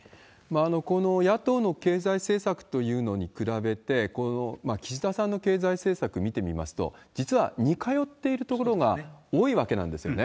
この野党の経済政策というのに比べて、岸田さんの経済政策見てみますと、実は似通っているところが多いわけなんですよね。